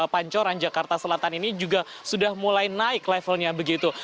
pancoran jakarta selatan ini juga sudah mulai naik levelnya begitu